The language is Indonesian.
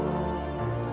saya tidak tahu